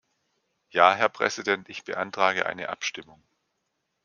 Ja, Herr Präsident, ich beantrage eine Abstimmung.